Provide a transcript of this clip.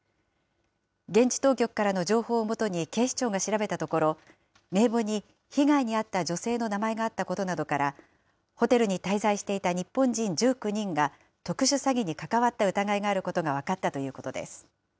現地当局からの情報をもとに警視庁が調べたところ、名簿に被害に遭った女性の名前があったことなどから、ホテルに滞在していた日本人１９人が、特殊詐欺に関わった疑いがあることが分かったということです。